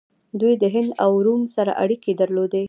دوی د هند او روم سره اړیکې درلودې